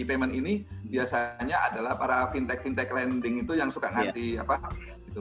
payment ini biasanya adalah para fintech fintech lending itu yang suka ngasih apa gitu